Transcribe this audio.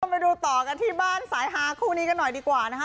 ไปดูต่อกันที่บ้านสายฮาคู่นี้กันหน่อยดีกว่านะคะ